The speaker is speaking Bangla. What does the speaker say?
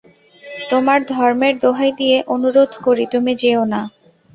তোমার ধর্মের দোহাই দিয়ে অনুরোধ করি তুমি যেয়ো না।